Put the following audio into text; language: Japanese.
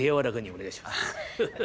お願いします。